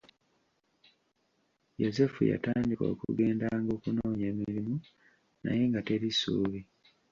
Yozefu yatandika okugendanga okunoonya emirimu naye nga teri ssuubi.